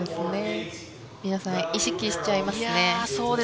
皆さん、意識しちゃいますね。